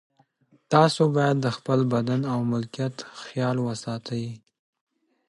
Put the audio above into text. تاسو باید د خپل بدن او ملکیت خیال وساتئ.